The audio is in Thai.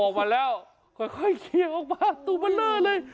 เอาออกมาแล้วค่อยเกี่ยวออกมาตัวเบลอเลย